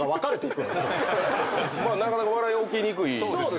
なかなか笑いは起きにくい状況ですよね。